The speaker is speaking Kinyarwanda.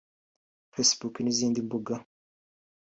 Facebook n’izindi mbuga